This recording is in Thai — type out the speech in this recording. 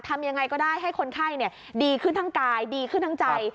ทำยังไงก็ได้ให้คนไข้ดีขึ้นทั้งกายดีขึ้นทั้งใจ